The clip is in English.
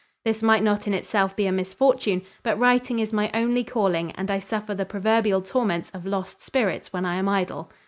This might not in itself be a misfortune but writing is my only calling and I suffer the proverbial torments of lost spirits when I am idle.